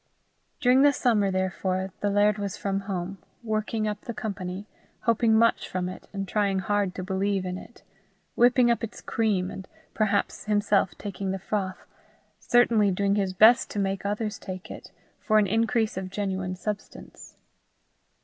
During the summer, therefore, the laird was from home, working up the company, hoping much from it, and trying hard to believe in it whipping up its cream, and perhaps himself taking the froth, certainly doing his best to make others take it, for an increase of genuine substance.